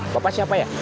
bapak siapa ya